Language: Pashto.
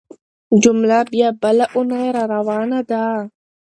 جمعه بيا بله اونۍ راروانه ده.